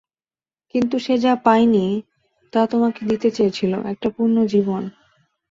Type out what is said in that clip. কিন্তু সে যা পায়নি তা তোমাকে দিতে চেয়েছিল, একটা পূর্ণ জীবন।